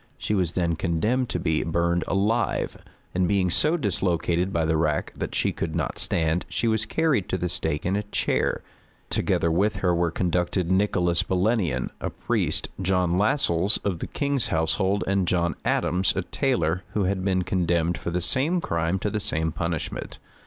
She was then condemned to be burned alive; and being so dislocated by the rack that she could not stand, she was carried to the stake in a chair. Together with her were conducted Nicholas Belenian, a priest, John Lassels, of the king's household, and John Adams, a tailor, who had been condemned for the same crime to the same punishment.